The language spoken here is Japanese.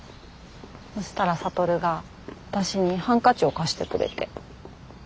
そしたら羽が私にハンカチを貸してくれて。